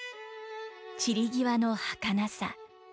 散り際のはかなさ。